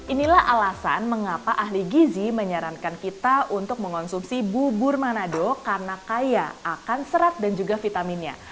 inilah alasan mengapa ahli gizi menyarankan kita untuk mengonsumsi bubur manado karena kaya akan serat dan juga vitaminnya